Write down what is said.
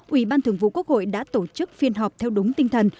ủy ban thường vụ quốc hội đã tổ chức phiên họp theo đúng tinh thần